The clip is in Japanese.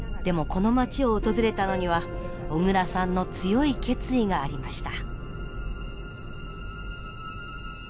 この街を訪れたのには小倉さんの強い決意がありました。